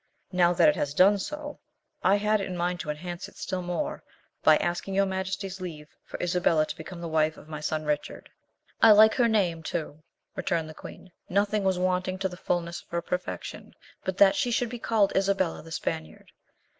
Now that it has done so, I had it in mind to enhance it still more, by asking your majesty's leave for Isabella to become the wife of my son Richard." "I like her name, too," returned the queen. "Nothing was wanting to the fulness of her perfection but that she should be called Isabella the Spaniard.